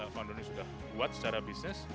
founder ini sudah kuat secara bisnis